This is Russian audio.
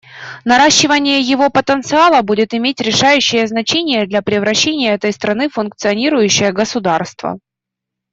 Наращивание его потенциала будет иметь решающее значение для превращения этой страны в функционирующее государство.